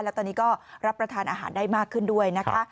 แล้วตอนนี้ก็รับประทานอาหารได้มากขึ้นด้วยนะคะ